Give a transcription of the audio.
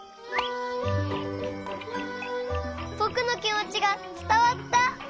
ぼくのきもちがつたわった！